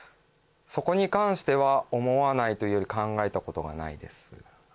そこに関しては思わないというより考えたことがないです